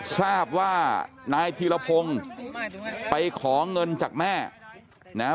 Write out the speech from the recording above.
ทราบว่านายธีรพงศ์ไปขอเงินจากแม่นะฮะ